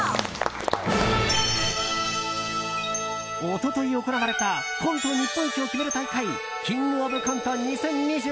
一昨日行われたコント日本一を決める大会「キングオブコント２０２２」。